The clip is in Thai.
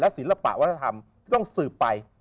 ศิลปะวัฒนธรรมที่ต้องสืบไป